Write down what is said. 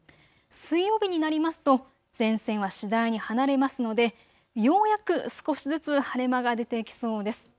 水曜日になりますと前線は次第に離れますので、ようやく少しずつ晴れ間が出てきそうです。